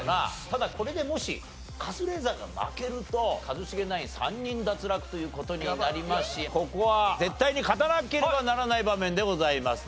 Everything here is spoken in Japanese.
ただこれでもしカズレーザーが負けると一茂ナイン３人脱落という事になりますしここは絶対に勝たなければならない場面でございます。